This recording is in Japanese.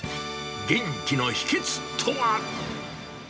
元気の秘けつとは。